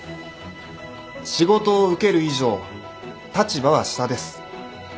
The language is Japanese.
仕事を請ける以上立場は下です。